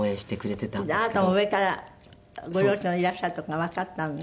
あなたも上からご両親のいらっしゃる所がわかったのね。